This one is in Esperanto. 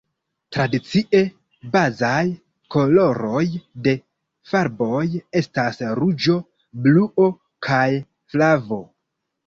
Tradicie, bazaj koloroj de farboj estas ruĝo, bluo kaj flavo.